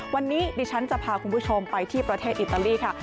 วันนี้ดิฉันจะพาคุณผู้ชมไปที่ประเทศอิตาลีค่ะ